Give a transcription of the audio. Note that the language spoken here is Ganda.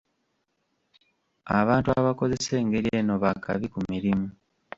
Abantu abakozesa engeri eno baakabi ku mirimu.